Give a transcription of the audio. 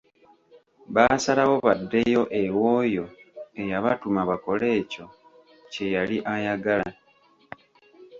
Baasalawo baddeyo ew’oyo eyabatuma bakole ekyo kyeyali ayagala.